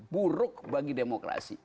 buruk bagi demokrasi